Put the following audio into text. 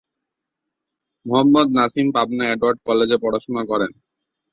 মোহাম্মদ নাসিম পাবনার এডওয়ার্ড কলেজে পড়াশোনা করেন।